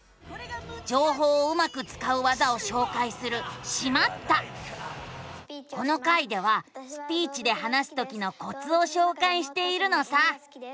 じょうほうをうまくつかう技をしょうかいするこの回ではスピーチで話すときのコツをしょうかいしているのさ。